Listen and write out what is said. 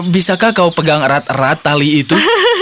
bisakah kau pegang erat erat tali itu